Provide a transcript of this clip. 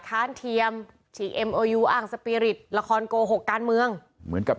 ค้านเทียมฉีกเอ็มโอยูอ้างสปีริตละครโกหกการเมืองเหมือนกับ